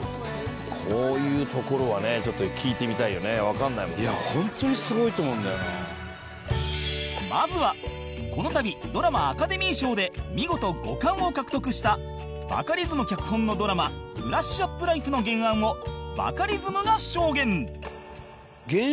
そんな彼の頭の中がどうなっているのかを探るべくまずはこの度ドラマアカデミー賞で見事５冠を獲得したバカリズム脚本のドラマ『ブラッシュアップライフ』の原案をバカリズムが証言